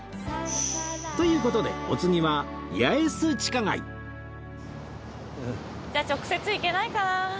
という事でじゃあ直接行けないかな？